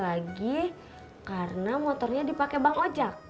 selagi karena motornya dipake bang ojak